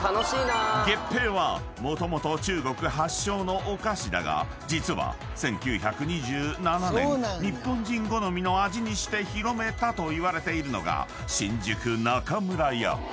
［月餅はもともと中国発祥のお菓子だが実は１９２７年日本人好みの味にして広めたといわれているのが「新宿中村屋」］